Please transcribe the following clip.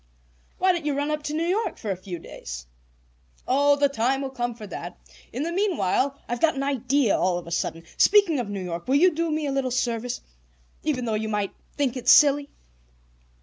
"Why don't you run up to New York for a few days?" "Oh, the time will come for that. In the meanwhile, I've got an idea all of a sudden. Speaking of New York, will you do me a little service? Even though you might think it silly?"